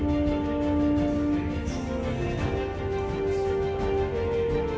ไม่อยู่ช่วงที่หัวใจมีอะไรอยู่